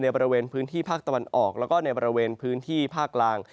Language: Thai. บริเวณพื้นที่ภาคตะวันออกแล้วก็ในบริเวณพื้นที่ภาคกลาง